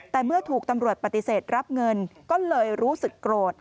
แต่เมื่อถูกตำรวจปฏิเสธรับเงินก็เลยรู้สึกโกรธ